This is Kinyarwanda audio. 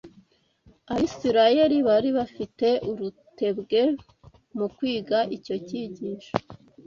Abisirayeli bari bafite urutebwe mu kwiga icyo cyigisho